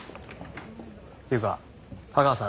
っていうか架川さん